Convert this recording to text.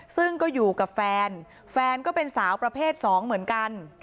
ซึ่งก็อยู่กับแฟนแฟนก็เป็นสาวประเภทสองเหมือนกัน